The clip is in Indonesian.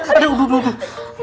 aduh aduh aduh